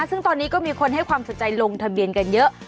ซึ่งตอนนี้ก็มีคนให้ความสนใจลงทะเบียนกันเยอะ